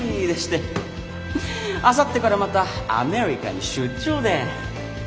あさってからまたアメリカに出張で。